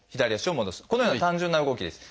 このような単純な動きです。